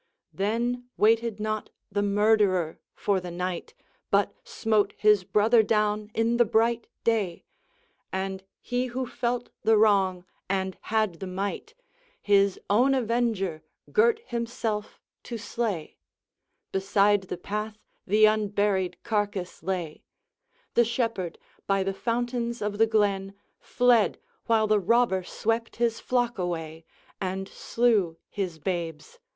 X. Then waited not the murderer for the night, But smote his brother down in the bright day, And he who felt the wrong, and had the might, His own avenger, girt himself to slay; Beside the path the unburied carcass lay; The shepherd, by the fountains of the glen, Fled, while the robber swept his flock away, And slew his babes.